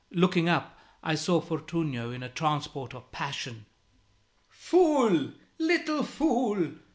Looking up, I saw Fortunio in a transport of passion. "Fool little fool!